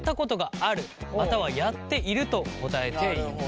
またはやっていると答えています。